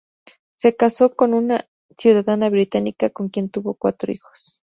Se casó con una ciudadana británica con quien tuvo cuatro hijos.